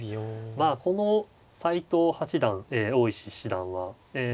まあこの斎藤八段大石七段はえ